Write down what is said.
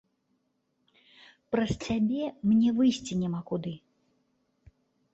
Праз цябе мне выйсці няма куды!